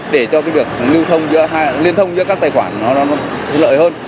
để cho cái được liên thông giữa các tài khoản nó lợi hơn